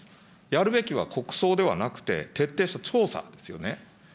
やるべきは国葬ではなくて、徹底した調査ですよね。